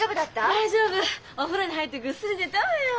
大丈夫！お風呂に入ってぐっすり寝たわよ。